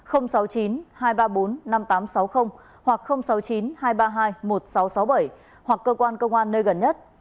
hoặc sáu mươi chín hai trăm ba mươi hai một nghìn sáu trăm sáu mươi bảy hoặc cơ quan cơ quan nơi gần nhất